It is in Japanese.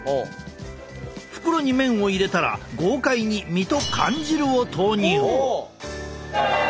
袋に麺を入れたら豪快に身と缶汁を投入！